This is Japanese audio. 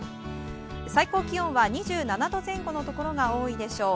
最高気温は２７度前後のところが多いでしょう。